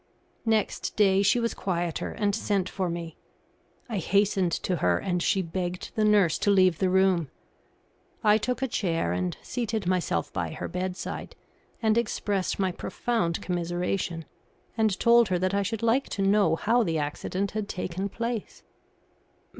Next day she was quieter and sent for me. I hastened to her, and she begged the nurse to leave the room. I took a chair and seated myself by her bedside, and expressed my profound commiseration, and told her that I should like to know how the accident had taken place.